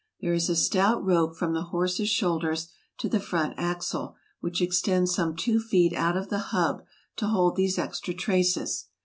There is a stout rope from the horse's shoulders to the front axle, which extends some two feet out of the hub to hold these extra traces.